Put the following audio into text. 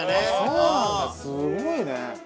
すごいね。